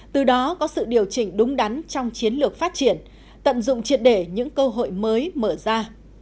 từ đó có sự điều chỉnh đúng đắn trong chiến lược phát triển tận dụng triệt để những cơ hội mới mở ra